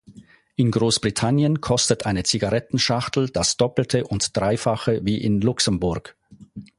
In Großbritannien kostet eine Zigarettenschachtel das Doppelte und Dreifache wie in Luxemburg.